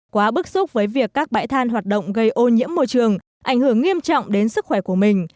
quá bức xúc với việc các bãi than hoạt động gây ô nhiễm môi trường ảnh hưởng nghiêm trọng đến sức khỏe của mình